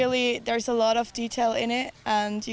ada banyak detail di dalamnya